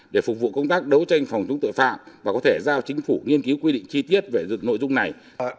để phục vụ công tác đấu tranh phòng chống tội phạm và có thể giao chính phủ nghiên cứu quy định chi tiết về dựng nội dung này